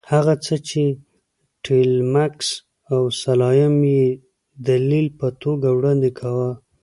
هغه څه چې ټیلمکس او سلایم یې دلیل په توګه وړاندې کاوه.